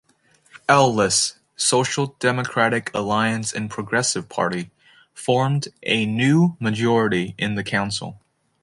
L-list, Social Democratic Alliance and Progressive Party formed a new majority in the council.